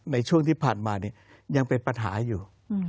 ในช่วงที่ผ่านมายังเป็นปัญหาอยู่